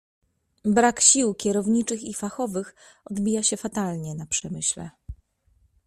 "Brak sił kierowniczych i fachowych odbija się fatalnie na przemyśle."